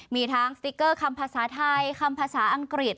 มีทั้งสติ๊กเกอร์คำภาษาไทยคำภาษาอังกฤษ